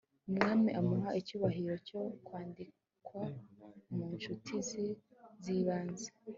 umwami amuha icyubahiro cyo kwandikwa mu ncuti ze z'ibanze